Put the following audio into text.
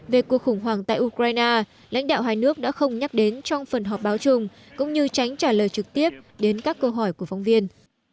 về cuộc khủng hoảng tại ukraine lãnh đạo hai nước đã không nhắc đến trong phần họp báo chung cũng như tránh trả lời trực tiếp đến các câu hỏi của phóng viên